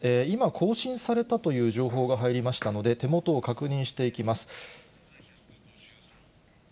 今、更新されたという情報が入りましたので、手元を確認していきます。